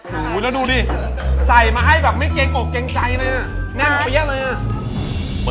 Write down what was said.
หนูหนูดิใส่มาให้ไม่เกรงอกเกรงใจนะดูแต่หนูหนู